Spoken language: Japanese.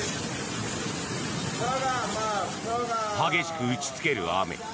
激しく打ちつける雨。